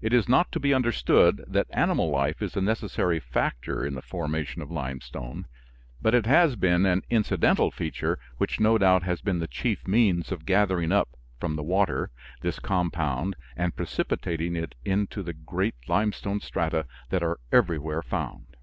It is not to be understood that animal life is a necessary factor in the formation of limestone, but it has been an incidental feature which no doubt has been the chief means of gathering up from the water this compound and precipitating it into the great limestone strata that are everywhere found.